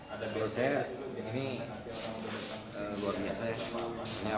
ada biasa ini luar biasa ya